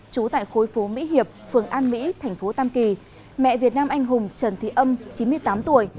trú tại khối phố mỹ hiệp phường an mỹ thành phố tam kỳ mẹ việt nam anh hùng trần thị âm chín mươi tám tuổi